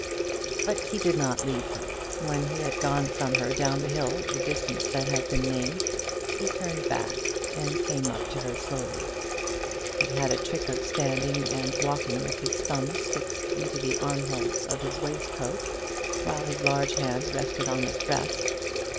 But he did not leave her. When he had gone from her down the hill the distance that has been named, he turned back, and came up to her slowly. He had a trick of standing and walking with his thumbs fixed into the armholes of his waistcoat, while his large hands rested on his breast.